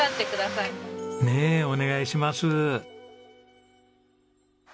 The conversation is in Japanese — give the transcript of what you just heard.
ねえお願いします。